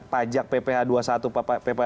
pajak pph dua puluh satu pph dua puluh lima